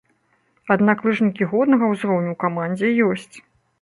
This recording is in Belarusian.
Аднак лыжнікі годнага ўзроўню ў камандзе ёсць.